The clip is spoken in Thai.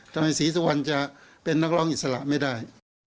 ศรีสุวรรณจะเป็นนักร้องอิสระไม่ได้